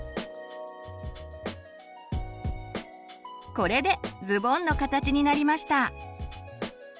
これでズボンの形になりました。